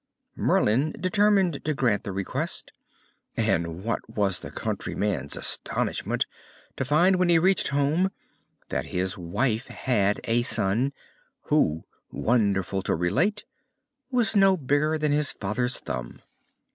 Merlin determined to grant the request, and what was the countryman's astonishment to find when he reached home that his wife had a son, who, wonderful to relate, was no bigger than his father's thumb!